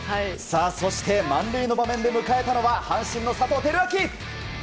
そして満塁の場面で迎えたのは阪神の佐藤輝明。